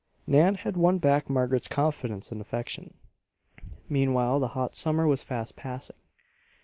Nan had won back Margaret's confidence and affection. Meanwhile the hot summer was fast passing.